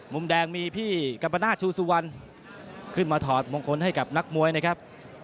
มุมแดงมีพี่กัมปนาศชูสุวรรณขึ้นมาถอดมงคลให้กับนักมวยนะครับ